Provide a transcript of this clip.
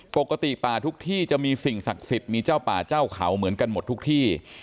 ปกติป่าทุกที่จะมีสิ่งศักดิ์สิทธิ์มีเจ้าป่าเจ้าเขาเหมือนกันหมดทุกที่